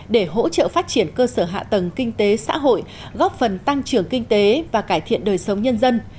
để hỗ trợ phát triển cơ sở hạ tầng kinh tế xã hội góp phần tăng trưởng kinh tế và cải thiện đời sống nhân dân